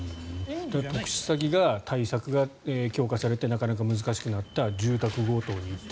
特殊詐欺の対策が強化されてなかなか難しくなった住宅強盗に行った。